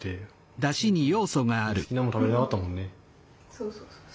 そうそうそうそう。